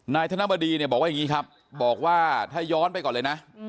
ธนบดีเนี่ยบอกว่าอย่างนี้ครับบอกว่าถ้าย้อนไปก่อนเลยนะ